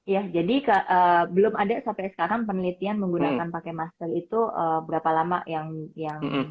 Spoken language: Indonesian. ya jadi belum ada sampai sekarang penelitian menggunakan pakai masker itu berapa lama yang